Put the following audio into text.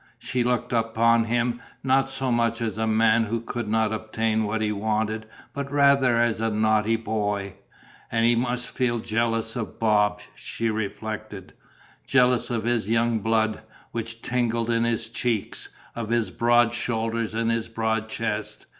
She looked upon him not so much as a man who could not obtain what he wanted but rather as a naughty boy. And he must feel jealous of Bob, she reflected: jealous of his young blood, which tingled in his cheeks, of his broad shoulders and his broad chest.